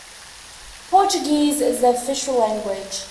Portuguese is the official language.